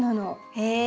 へえ。